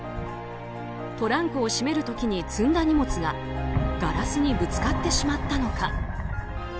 トランクを閉める時に積んだ荷物がガラスにぶつかってしまったのか。